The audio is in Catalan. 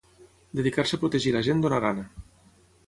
Dedicar-se a protegir la gent dona gana.